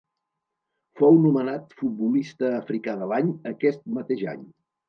Fou nomenat Futbolista africà de l'any aquest mateix any.